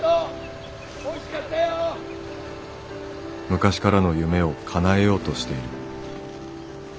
「昔からの夢を叶えようとしている」。